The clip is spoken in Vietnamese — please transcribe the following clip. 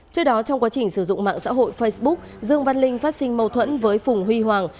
trước đó trong quá trình sử dụng mạng xã hội facebook dương văn linh phát sinh mâu thuẫn với phùng huy hoàng